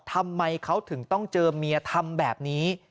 ทำไมเขาถึงต้องเจอเมียทำแบบนี้